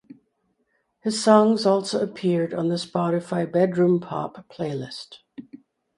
His songs also appeared on the Spotify "Bedroom Pop" playlist.